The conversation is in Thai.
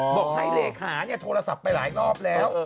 บอกให้เลขาโทรศัพท์ไปหลายรอบแล้ว